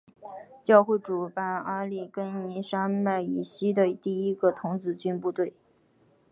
教会主办阿利根尼山脉以西的第一个童子军部队。